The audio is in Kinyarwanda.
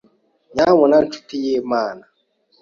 Nyabuna nshuti y'Imana